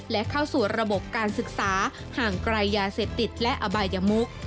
และเข้าสู่ระบบการศึกษาห่างไกลยาเสพติดและอบายมุก